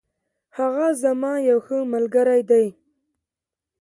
هغه زما یو ښه ملگری دی.